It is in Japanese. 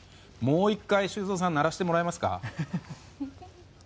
もう１回、修造さん鳴らしてもらえますか？